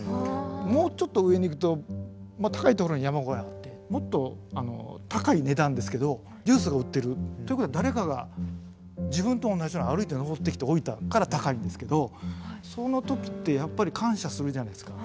もうちょっと上に行くと高いところに山小屋あってもっと高い値段ですけどジュースが売ってる。ということは誰かが自分と同じように歩いて登ってきて置いたから高いんですけどそのときってやっぱり感謝するじゃないですか。